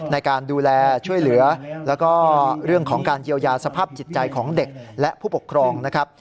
ในการดูแลช่วยเหลือแล้วก็เรื่องของการเยียวยาสภาพจิตใจของเด็กและผู้ปกครองนะครับ